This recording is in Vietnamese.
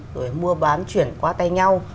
rồi mua bán chuyển qua tay nhau